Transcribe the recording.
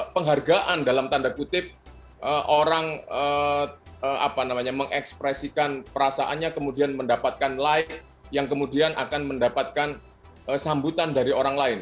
penghargaan dalam tanda kutip orang mengekspresikan perasaannya kemudian mendapatkan like yang kemudian akan mendapatkan sambutan dari orang lain